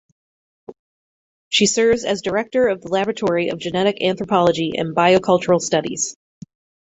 She serves as Director of the Laboratory of Genetic Anthropology and Biocultural Studies.